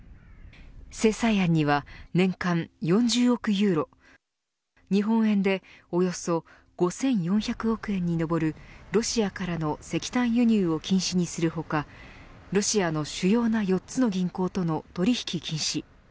制裁案には年間４０億ユーロ日本円でおよそ５４００億円に上るロシアからの石炭輸入を禁止にする他ロシアの主要な４つの銀行との取引禁止。